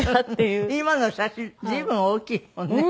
今の写真随分大きいもんね。